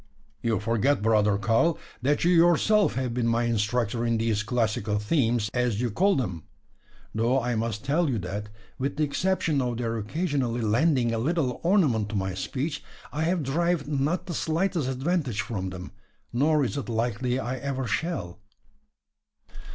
"You forget, brother Karl, that you yourself have been my instructor in these classical themes, as you call them. Though I must tell you that, with the exception of their occasionally lending a little ornament to my speech, I have derived not the slightest advantage from them; nor is it likely I ever shall."